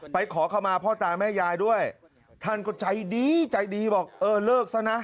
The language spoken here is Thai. ไปขอคำว่าพ่อตาแม่ยายด้วยท่านก็ใจดีบอกเออเลิกซะนะ